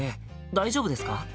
大丈夫ですか？